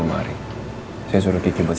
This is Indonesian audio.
makasih banyak ya mas